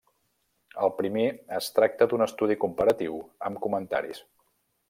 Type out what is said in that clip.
El primer es tracta d'un estudi comparatiu amb comentaris.